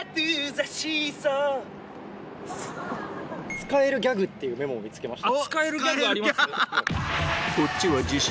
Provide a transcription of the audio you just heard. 「使えるギャグ」っていうメモも見つけました。